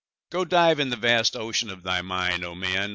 Go, dive in the vast ocean of thy mind, O man!